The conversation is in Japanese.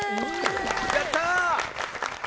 やったー！